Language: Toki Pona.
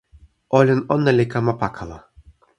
olin ona li kama pakala.